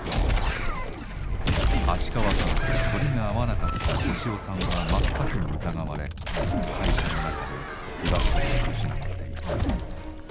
芦川さんとそりが合わなかった押尾さんは真っ先に疑われ会社の中で居場所を失っていく。